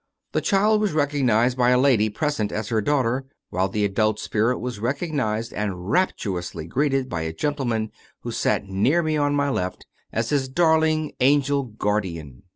The child was recognized by a lady present as her daughter, while the adult spirit was recognized and rapturously greeted by a gentleman who sat near me on my left, as his " darling angel guardian."